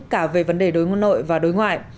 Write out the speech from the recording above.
cả về vấn đề đối ngoại nội và đối ngoại